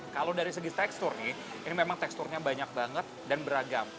kalau dari segi tekstur nih ini memang teksturnya banyak banget dan beragam